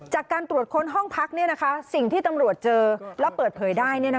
จากการตรวจค้นห้องพักสิ่งที่ตำรวจเจอแล้วเปิดเผยได้